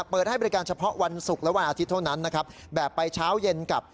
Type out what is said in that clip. เปิดให้บริการเฉพาะวันศุกร์และวันอาทิตย์เท่านั้นนะครับแบบไปเช้าเย็นกับ